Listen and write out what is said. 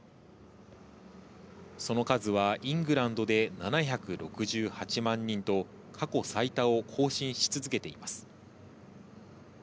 その数はイングランドで７６８万人と過去最多を更新し続けています。